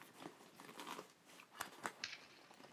马斯基埃。